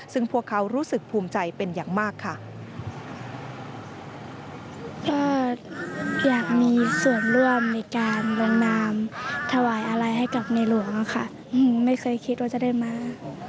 ซึ่งพวกเขารู้สึกภูมิใจเป็นอย่างมากค่ะ